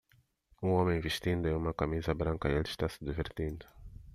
Um homem vestindo uma camisa branca e ele está se divertindo